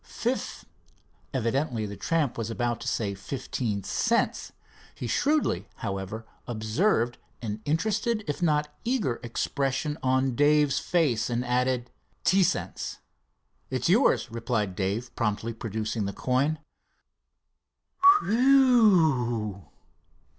Evidently the tramp was about to say "fifteen cents." He shrewdly, however, observed an interested if not an eager expression on Dave's face, arid added: " ty cents." "It's yours," replied Dave, promptly producing the coin. "Wh e w!"